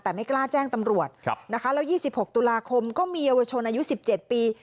แต่ไม่กล้าแจ้งตำรวจนะคะแล้ว๒๖ตุลาคมก็มีเยาวชนอายุ๑๗ปี